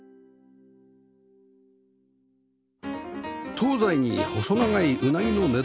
東西に細長いうなぎの寝床